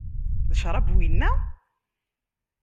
D ccṛab wina?